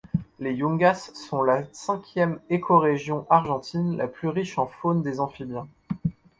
Les Yungas sont la cinquième écorégion argentine la plus riche en faune des amphibiens.